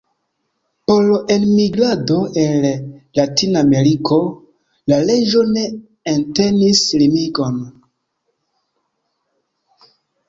Por enmigrado el Latina Ameriko, la leĝo ne entenis limigon.